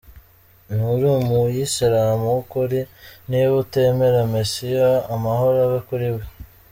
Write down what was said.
Nturi umuyisilamu w’ukuri niba utemera Mesiya, amahoro abe kuri we.